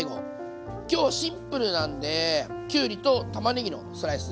今日はシンプルなんできゅうりとたまねぎのスライス